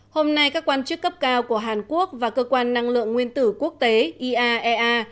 hôm nay các quan chức cấp cao của hàn quốc và cơ quan năng lượng nguyên tử quốc tế iaea